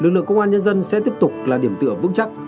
lực lượng công an nhân dân sẽ tiếp tục là điểm tựa vững chắc